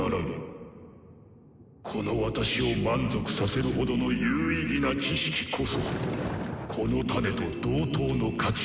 この私を満足させるほどの有意義な知識こそこのタネと同等の価値を持つのだ。